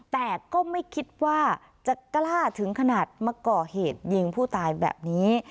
แต่ก็ไม่คิดว่าจะกล้าถึงขนาดมาก่อเหตุยิงผู้ตายแบบนี้